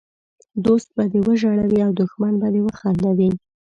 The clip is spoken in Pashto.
دوست به دې وژړوي او دښمن به دي وخندوي!